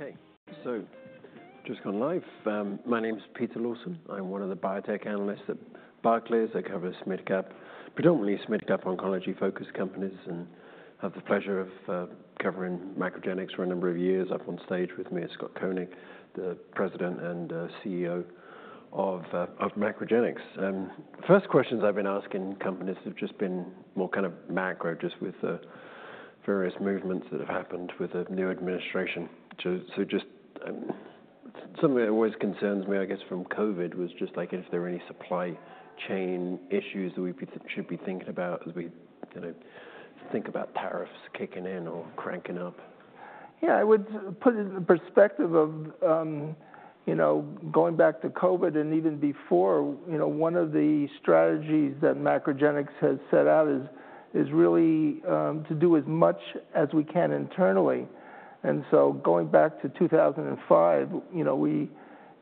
Okay, so just gone live. My name's Peter Lawson. I'm one of the biotech analysts at Barclays. I cover SMID cap, predominantly SMID cap oncology-focused companies, and have the pleasure of covering MacroGenics for a number of years. I've on stage with me Scott Koenig, the President and CEO of MacroGenics. First questions I've been asking companies have just been more kind of macro, just with the various movements that have happened with the new administration. Just something that always concerns me, I guess, from COVID was just like if there are any supply chain issues that we should be thinking about as we think about tariffs kicking in or cranking up. Yeah, I would put it in the perspective of going back to COVID and even before, one of the strategies that MacroGenics has set out is really to do as much as we can internally. Going back to 2005, we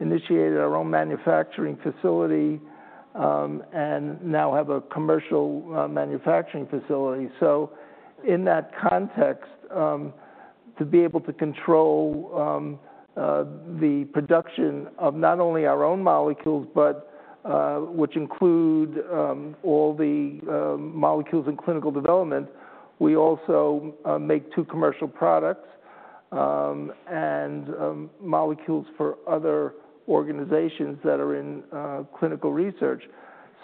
initiated our own manufacturing facility and now have a commercial manufacturing facility. In that context, to be able to control the production of not only our own molecules, which include all the molecules in clinical development, we also make two commercial products and molecules for other organizations that are in clinical research.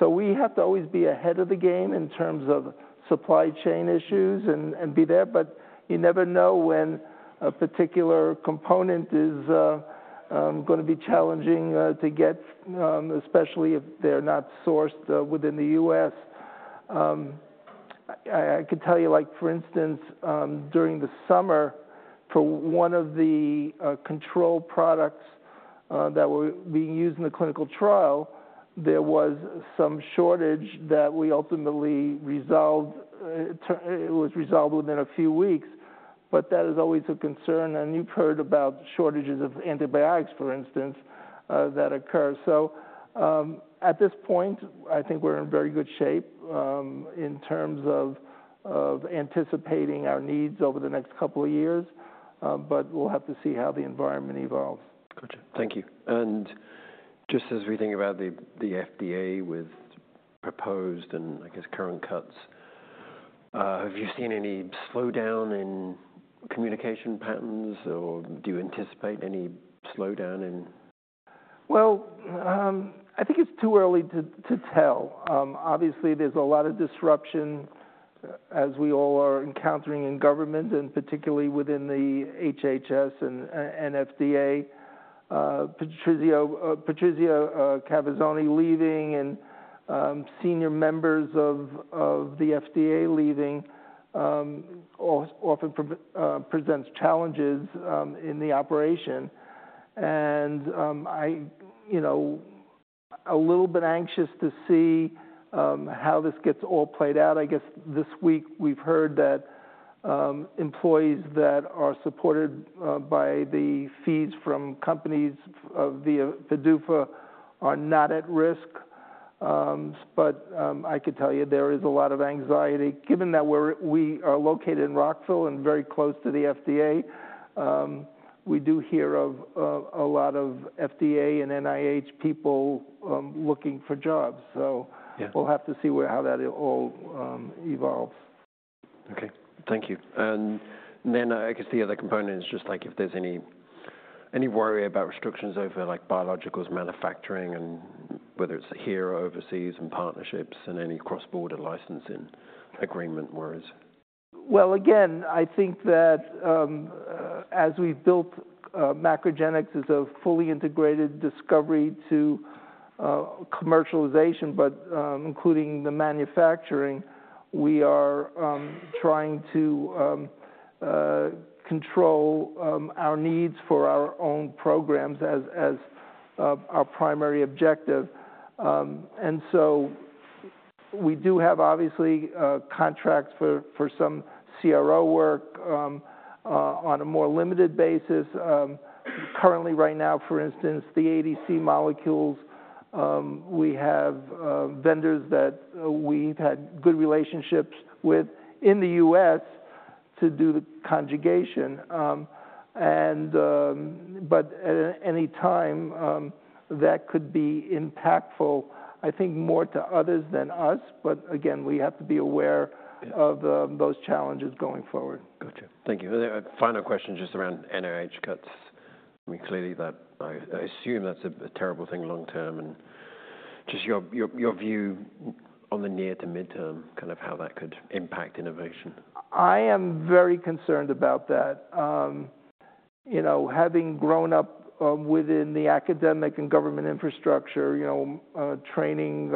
We have to always be ahead of the game in terms of supply chain issues and be there, but you never know when a particular component is going to be challenging to get, especially if they're not sourced within the U.S. I could tell you, for instance, during the summer, for one of the control products that were being used in the clinical trial, there was some shortage that we ultimately resolved. It was resolved within a few weeks, that is always a concern. You've heard about shortages of antibiotics, for instance, that occur. At this point, I think we're in very good shape in terms of anticipating our needs over the next couple of years, but we'll have to see how the environment evolves. Gotcha. Thank you. Just as we think about the FDA with proposed and, I guess, current cuts, have you seen any slowdown in communication patterns, or do you anticipate any slowdown in? I think it's too early to tell. Obviously, there's a lot of disruption, as we all are encountering in government, and particularly within the HHS and FDA. Patrizia Cavazzoni leaving and senior members of the FDA leaving often presents challenges in the operation. I'm a little bit anxious to see how this gets all played out. I guess this week we've heard that employees that are supported by the fees from companies via PDUFA are not at risk. I could tell you there is a lot of anxiety, given that we are located in Rockville and very close to the FDA. We do hear of a lot of FDA and NIH people looking for jobs. We'll have to see how that all evolves. Okay, thank you. I guess the other component is just like if there's any worry about restrictions over biologicals manufacturing, and whether it's here or overseas and partnerships and any cross-border licensing agreement worries. I think that as we've built MacroGenics, it's a fully integrated discovery to commercialization, but including the manufacturing, we are trying to control our needs for our own programs as our primary objective. We do have, obviously, contracts for some CRO work on a more limited basis. Currently, right now, for instance, the ADC molecules, we have vendors that we've had good relationships with in the US to do the conjugation. At any time, that could be impactful, I think, more to others than us. We have to be aware of those challenges going forward. Gotcha. Thank you. Final question just around NIH cuts. I mean, clearly, I assume that's a terrible thing long term. And just your view on the near to midterm, kind of how that could impact innovation. I am very concerned about that. Having grown up within the academic and government infrastructure, training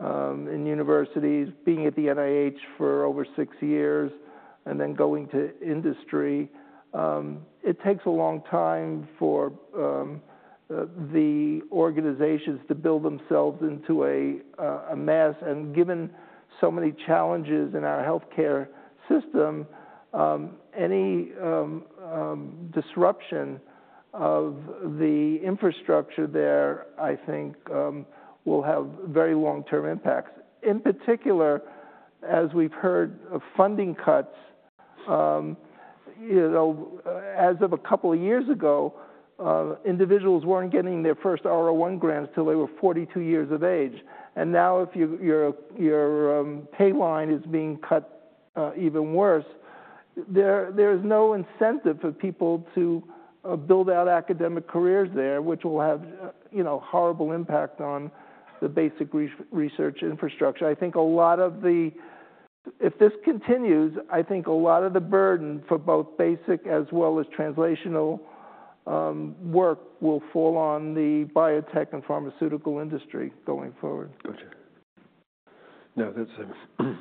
in universities, being at the NIH for over six years, and then going to industry, it takes a long time for the organizations to build themselves into a mass. Given so many challenges in our healthcare system, any disruption of the infrastructure there, I think, will have very long-term impacts. In particular, as we've heard of funding cuts, as of a couple of years ago, individuals were not getting their first R01 grants till they were 42 years of age. Now if your payline is being cut even worse, there is no incentive for people to build out academic careers there, which will have a horrible impact on the basic research infrastructure. I think a lot of the, if this continues, I think a lot of the burden for both basic as well as translational work will fall on the biotech and pharmaceutical industry going forward. Gotcha. No, that's kind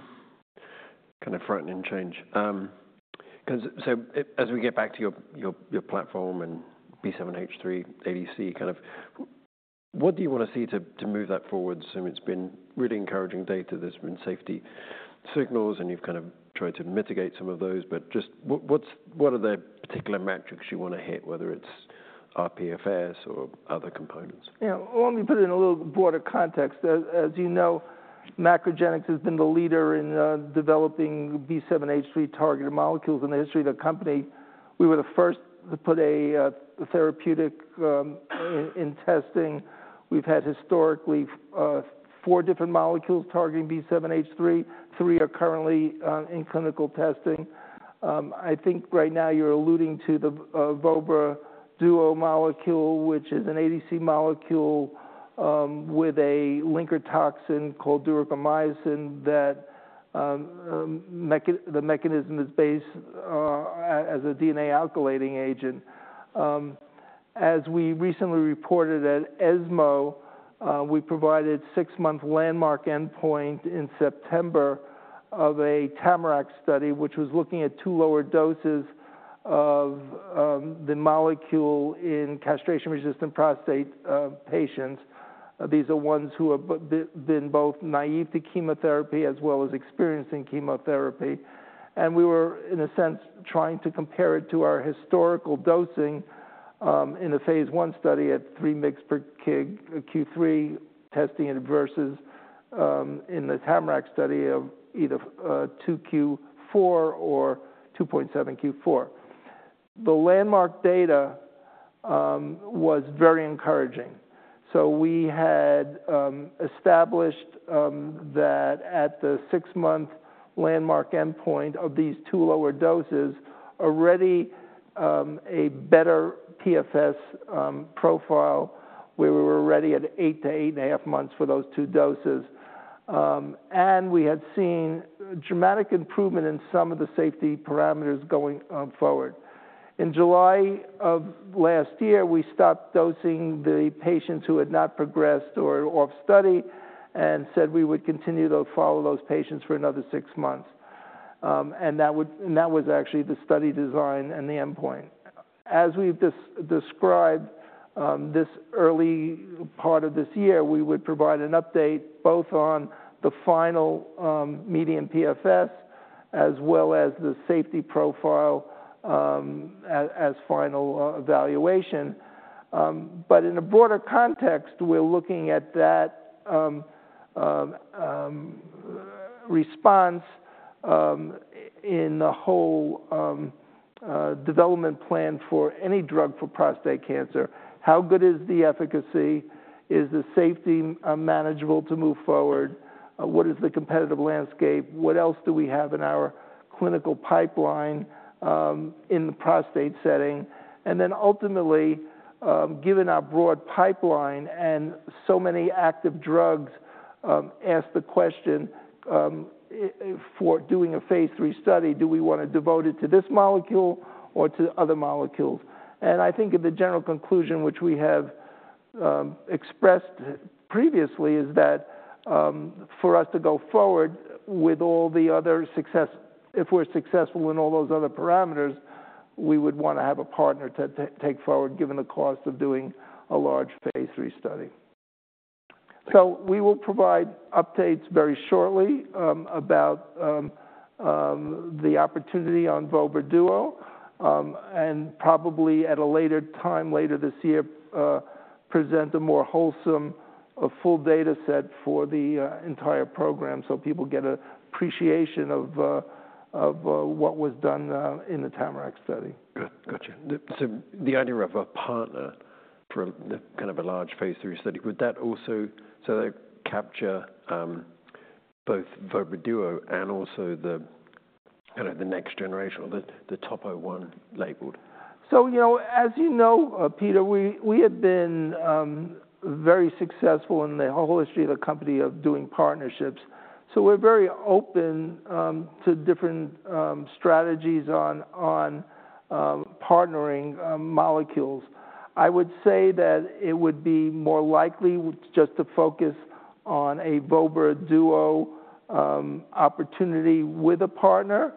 of frightening change. As we get back to your platform and B7-H3, ADC, kind of what do you want to see to move that forward? It's been really encouraging data that's been safety signals, and you've kind of tried to mitigate some of those, but just what are the particular metrics you want to hit, whether it's rPFS or other components? Yeah, let me put it in a little broader context. As you know, MacroGenics has been the leader in developing B7-H3 targeted molecules in the history of the company. We were the first to put a therapeutic in testing. We've had historically four different molecules targeting B7-H3. Three are currently in clinical testing. I think right now you're alluding to the vobramitamab duocarmazine molecule, which is an ADC molecule with a linker toxin called duocarmycin that the mechanism is based as a DNA alkylating agent. As we recently reported at ESMO, we provided six-month landmark endpoint in September of a TAMARACK study, which was looking at two lower doses of the molecule in castration-resistant prostate patients. These are ones who have been both naive to chemotherapy as well as experiencing chemotherapy. We were, in a sense, trying to compare it to our historical dosing in the phase I study at 3 mg per Q3 testing versus in the TAMARACK study of either 2Q4 or 2.7Q4. The landmark data was very encouraging. We had established that at the six-month landmark endpoint of these two lower doses, already a better PFS profile, where we were already at eight to eight and a half months for those two doses. We had seen dramatic improvement in some of the safety parameters going forward. In July of last year, we stopped dosing the patients who had not progressed or were off study and said we would continue to follow those patients for another six months. That was actually the study design and the endpoint. As we've described this early part of this year, we would provide an update both on the final median PFS as well as the safety profile as final evaluation. In a broader context, we're looking at that response in the whole development plan for any drug for prostate cancer. How good is the efficacy? Is the safety manageable to move forward? What is the competitive landscape? What else do we have in our clinical pipeline in the prostate setting? Ultimately, given our broad pipeline and so many active drugs, ask the question for doing a phase III study, do we want to devote it to this molecule or to other molecules? I think the general conclusion, which we have expressed previously, is that for us to go forward with all the other success, if we're successful in all those other parameters, we would want to have a partner to take forward, given the cost of doing a large phase III study. We will provide updates very shortly about the opportunity on vobramitamab duocarmazine and probably at a later time, later this year, present a more wholesome full data set for the entire program so people get an appreciation of what was done in the TAMARACK study. Gotcha. The idea of a partner for kind of a large phase III study, would that also capture both vobramitamab duocarmazine and also the next generation or the Topo I labeled? As you know, Peter, we have been very successful in the whole history of the company of doing partnerships. We are very open to different strategies on partnering molecules. I would say that it would be more likely just to focus on a vobramitamab duocarmazine opportunity with a partner,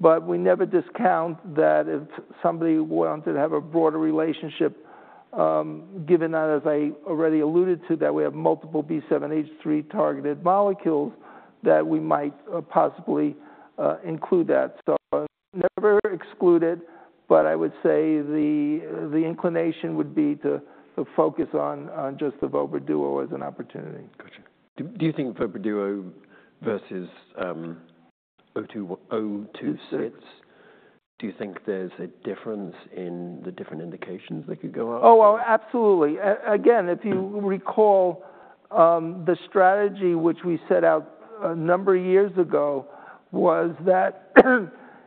but we never discount that if somebody wants to have a broader relationship, given that, as I already alluded to, we have multiple B7-H3 targeted molecules, that we might possibly include that. Never excluded, but I would say the inclination would be to focus on just the vobramitamab duocarmazine as an opportunity. Gotcha. Do you think vobramitamab duocarmazine versus 026? Do you think there's a difference in the different indications that could go out? Oh, absolutely. Again, if you recall, the strategy which we set out a number of years ago was that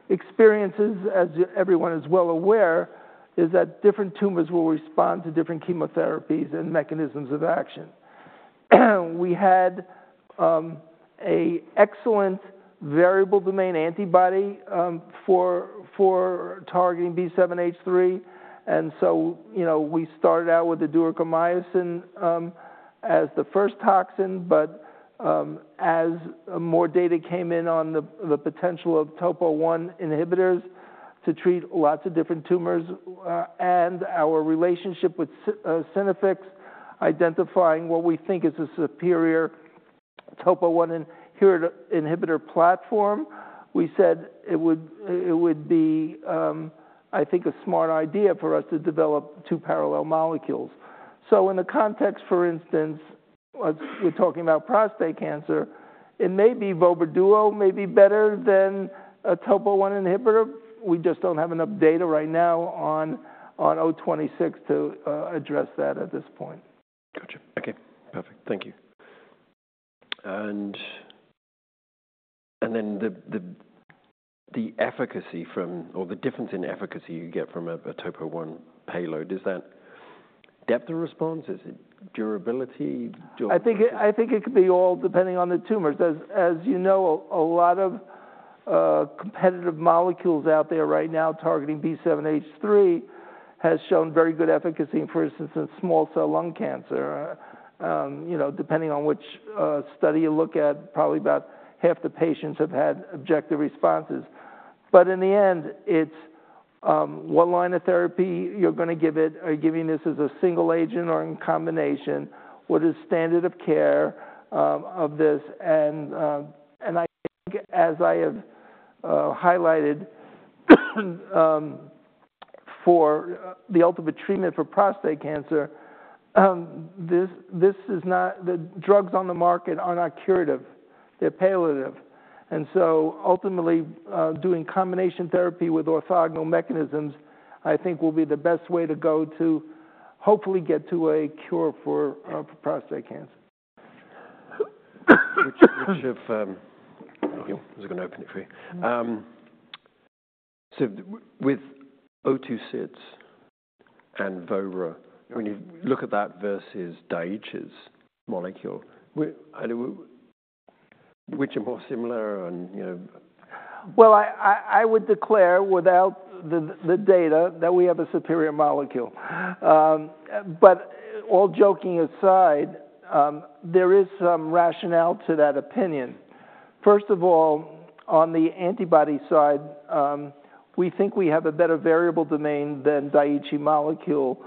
experiences, as everyone is well aware, is that different tumors will respond to different chemotherapies and mechanisms of action. We had an excellent variable domain antibody for targeting B7-H3. And so we started out with the duocarmycin as the first toxin, but as more data came in on the potential of Topo I inhibitors to treat lots of different tumors and our relationship with Synaffix identifying what we think is a superior Topo I inhibitor platform, we said it would be, I think, a smart idea for us to develop two parallel molecules. In the context, for instance, we're talking about prostate cancer, it may be vobramitamab duocarmazine may be better than a Topo I inhibitor. We just don't have enough data right now on MGC026 to address that at this point. Gotcha. Okay, perfect. Thank you. The efficacy from, or the difference in efficacy you get from a Topo I payload, is that depth of response? Is it durability? I think it could be all depending on the tumors. As you know, a lot of competitive molecules out there right now targeting B7-H3 has shown very good efficacy, for instance, in small cell lung cancer. Depending on which study you look at, probably about half the patients have had objective responses. In the end, it's what line of therapy you're going to give it, are you giving this as a single agent or in combination? What is standard of care of this? I think, as I have highlighted for the ultimate treatment for prostate cancer, the drugs on the market are not curative. They're palliative. Ultimately, doing combination therapy with orthogonal mechanisms, I think will be the best way to go to hopefully get to a cure for prostate cancer. Which if, thank you, I was going to open it for you. With 026 and vobramitamab duocarmazine, when you look at that versus Daiichi Sankyo's molecule, which are more similar and. I would declare without the data that we have a superior molecule. But all joking aside, there is some rationale to that opinion. First of all, on the antibody side, we think we have a better variable domain than the Daiichi molecule.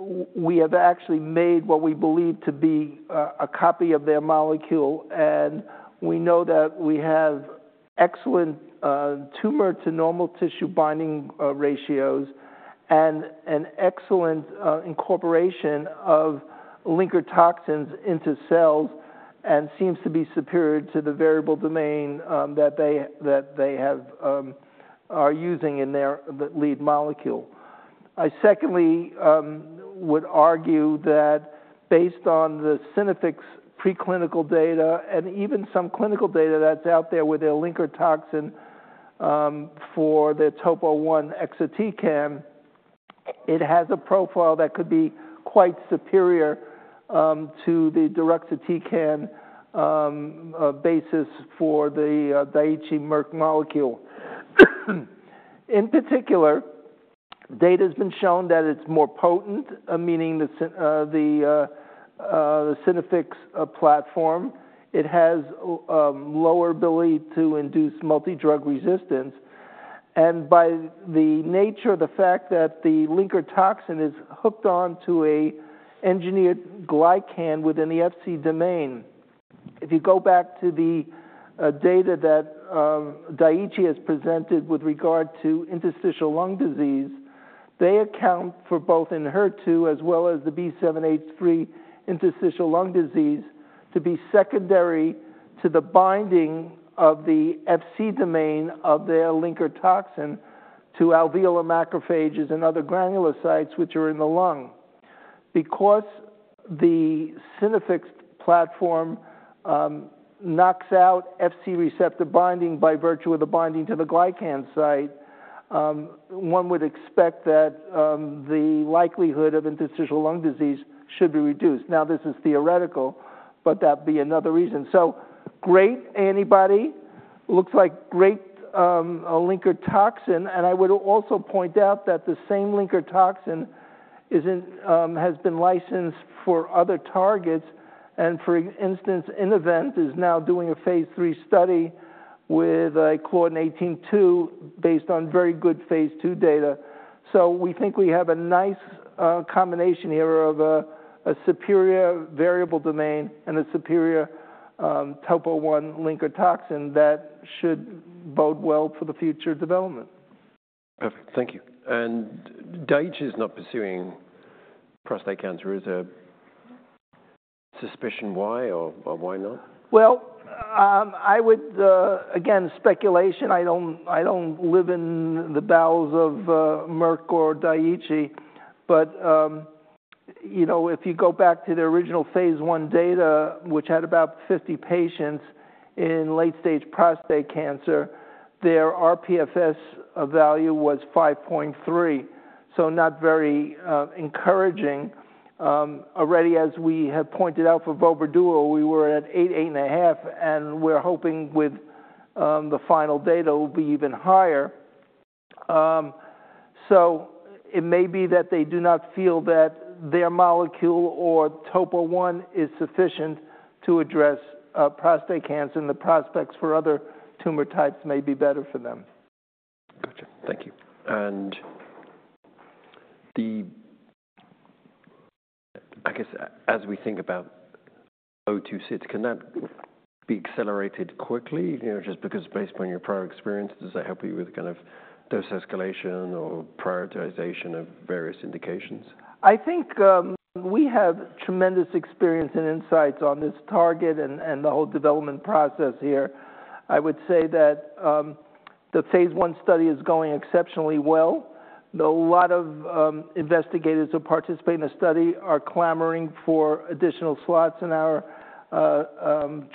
We have actually made what we believe to be a copy of their molecule. And we know that we have excellent tumor to normal tissue binding ratios and an excellent incorporation of linker toxins into cells and seems to be superior to the variable domain that they are using in their lead molecule. I secondly would argue that based on the Synaffix preclinical data and even some clinical data that's out there with their linker toxin for Topo I exatecan, it has a profile that could be quite superior to the direct exatecan basis for the Daiichi Merck molecule. In particular, data has been shown that it's more potent, meaning the Synaffix platform. It has lower ability to induce multi-drug resistance. And by the nature of the fact that the linker toxin is hooked onto an engineered glycan within the Fc domain, if you go back to the data that Daiichi has presented with regard to interstitial lung disease, they account for both in HER2 as well as the B7-H3 interstitial lung disease to be secondary to the binding of the Fc domain of their linker toxin to alveolar macrophages and other granulocytes which are in the lung. Because the Synaffix platform knocks out Fc receptor binding by virtue of the binding to the glycan site, one would expect that the likelihood of interstitial lung disease should be reduced. Now, this is theoretical, but that'd be another reason. So great antibody looks like great linker toxin. I would also point out that the same linker toxin has been licensed for other targets. For instance, Innovent is now doing a phase III study with a Claudin 18.2 based on very good phase II data. We think we have a nice combination here of a superior variable domain and a superior Topo I linker toxin that should bode well for the future development. Perfect. Thank you. Daiichi is not pursuing prostate cancer. Is there suspicion why or why not? I would, again, speculation. I don't live in the bowels of Merck or Daiichi. If you go back to the original phase I data, which had about 50 patients in late stage prostate cancer, their rPFS value was 5.3. Not very encouraging. Already, as we have pointed out for vobramitamab duocarmazine, we were at eight, eight and a half. We are hoping the final data will be even higher. It may be that they do not feel that their molecule or Topo I is sufficient to address prostate cancer and the prospects for other tumor types may be better for them. Gotcha. Thank you. I guess as we think about 026, can that be accelerated quickly? Just because based on your prior experience, does that help you with kind of dose escalation or prioritization of various indications? I think we have tremendous experience and insights on this target and the whole development process here. I would say that the phase I study is going exceptionally well. A lot of investigators who participate in the study are clamoring for additional slots in our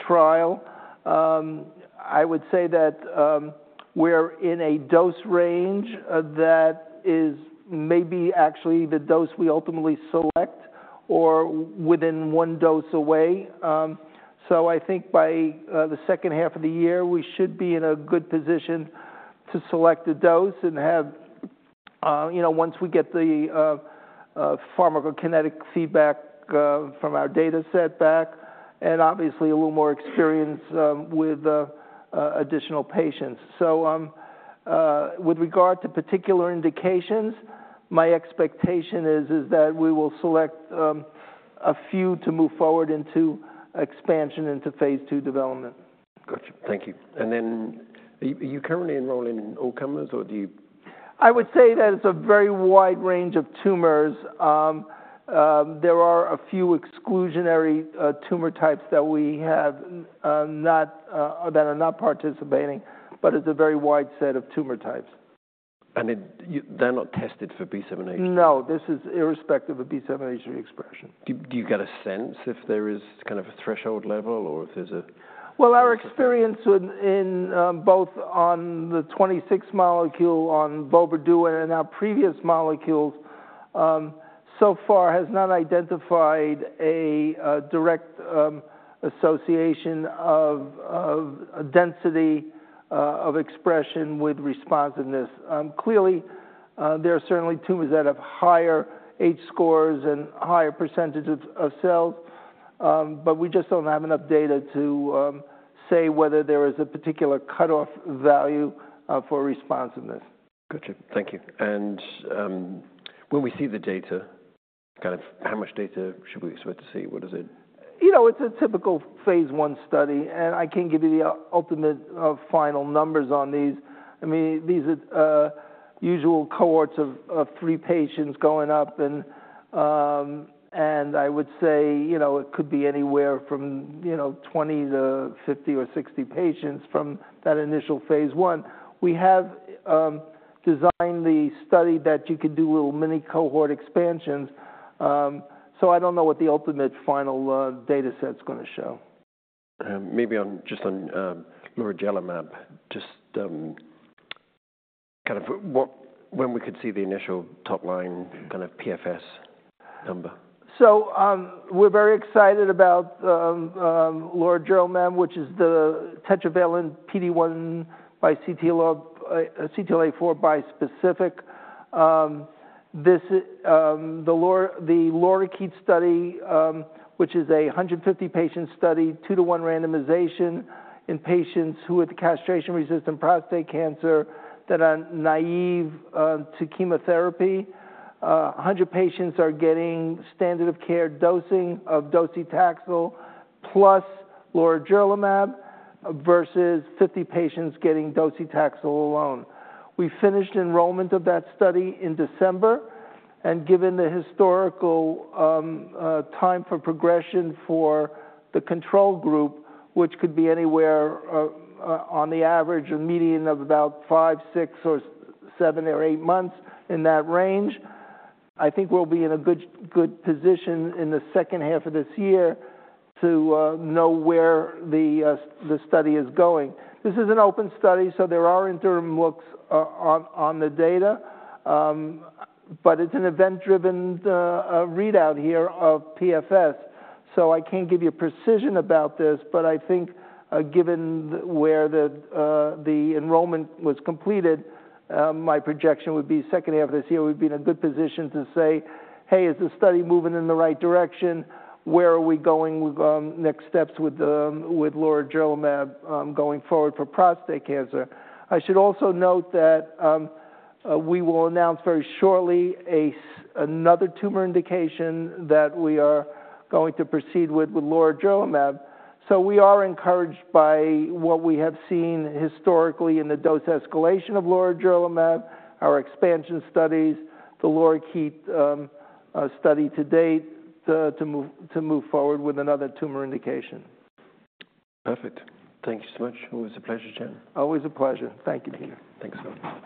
trial. I would say that we're in a dose range that is maybe actually the dose we ultimately select or within one dose away. I think by the second half of the year, we should be in a good position to select a dose and have once we get the pharmacokinetic feedback from our data set back and obviously a little more experience with additional patients. With regard to particular indications, my expectation is that we will select a few to move forward into expansion into phase II development. Gotcha. Thank you. Are you currently enrolling in all comers or do you? I would say that it's a very wide range of tumors. There are a few exclusionary tumor types that we have that are not participating, but it's a very wide set of tumor types. They're not tested for B7-H3? No, this is irrespective of B7-H3 expression. Do you get a sense if there is kind of a threshold level or if there's a? Our experience in both on the 26 molecule on vobramitamab duocarmazine and our previous molecules so far has not identified a direct association of density of expression with responsiveness. Clearly, there are certainly tumors that have higher H-scores and higher percentages of cells, but we just do not have enough data to say whether there is a particular cutoff value for responsiveness. Gotcha. Thank you. When we see the data, kind of how much data should we expect to see? What is it? You know, it's a typical phase I study. I can't give you the ultimate final numbers on these. I mean, these are usual cohorts of three patients going up. I would say it could be anywhere from 20-50 or 60 patients from that initial phase I. We have designed the study that you can do little mini cohort expansions. I don't know what the ultimate final data set's going to show. Maybe just on lorigerlimab, just kind of when we could see the initial top line kind of PFS number. We're very excited about lorigerlimab, which is the tetravalent PD-1 x CTLA-4 bispecific. The LORIKEET study, which is a 150-patient study, two-to-one randomization in patients who had castration-resistant prostate cancer that are naive to chemotherapy. One hundred patients are getting standard of care dosing of docetaxel plus lorigerlimab versus 50 patients getting docetaxel alone. We finished enrollment of that study in December. Given the historical time for progression for the control group, which could be anywhere on the average or median of about five, six, seven, or eight months in that range, I think we'll be in a good position in the second half of this year to know where the study is going. This is an open study, so there are interim looks on the data, but it's an event-driven readout here of PFS. I can't give you precision about this, but I think given where the enrollment was completed, my projection would be second half of this year, we'd be in a good position to say, hey, is the study moving in the right direction? Where are we going with next steps with lorigerlimab going forward for prostate cancer? I should also note that we will announce very shortly another tumor indication that we are going to proceed with lorigerlimab. We are encouraged by what we have seen historically in the dose escalation of lorigerlimab, our expansion studies, the LORIKEET study to date to move forward with another tumor indication. Perfect. Thank you so much. Always a pleasure. Always a pleasure. Thank you Peter. Thank you. Thanks a lot.